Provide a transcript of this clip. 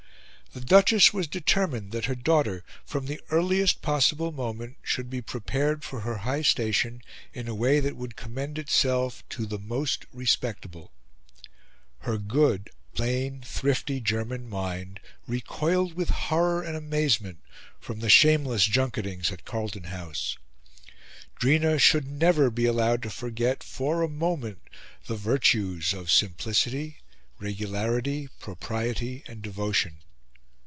The Duchess was determined that her daughter, from the earliest possible moment, should be prepared for her high station in a way that would commend itself to the most respectable; her good, plain, thrifty German mind recoiled with horror and amazement from the shameless junketings at Carlton House; Drina should never be allowed to forget for a moment the virtues of simplicity, regularity, propriety, and devotion.